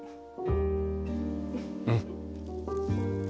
うん。